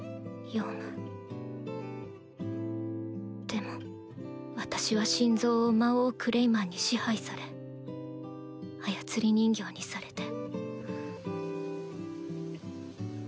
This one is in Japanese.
でも私は心臓を魔王クレイマンに支配され操り人形にされて